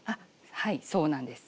はいそうなんです。